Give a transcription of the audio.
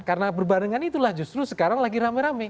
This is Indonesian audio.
karena berbarengan itulah justru sekarang lagi rame rame